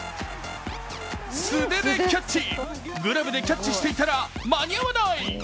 素手でキャッチグラブでキャッチしていたら間に合わない。